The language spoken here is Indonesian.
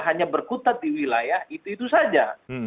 hanya berkutat di wilayah itu itu saja